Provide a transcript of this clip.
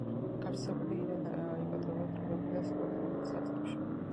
გავრცელებული არიან ეკვატორულ, ტროპიკულ და სუბტროპიკულ სარტყლებში.